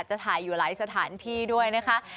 จะถ่ายอยู่หลายสถานที่ด้วยนะคะ